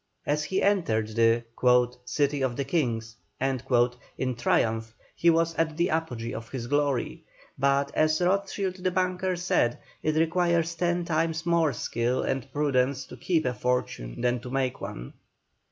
As he entered the "City of the Kings" in triumph he was at the apogee of his glory, but as Rothschild the banker said, it requires ten times more skill and prudence to keep a fortune than to make one.